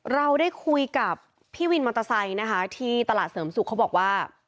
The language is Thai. เราได้คุยกับพี่วินมอเตอร์ไซค์นะคะที่ตลาดเสริมสุขเขาบอกว่า